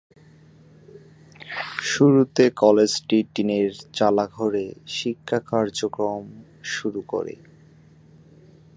শুরুতে কলেজটি টিনের চালা ঘরে শিক্ষা কার্যক্রম শুরু করে।